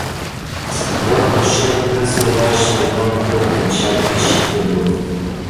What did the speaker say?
Вот пришёл принц на башню, а там куры кричат, пищи требуют.